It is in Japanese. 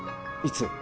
いつ？